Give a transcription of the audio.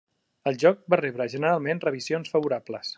El joc va rebre generalment revisions favorables.